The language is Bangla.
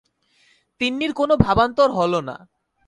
তিন্নির কোনো ভাবান্তর হল না।